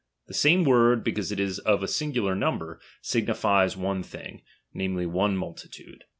The same word, because it is of the singular number, signi fies one thing ; namely, one multitude.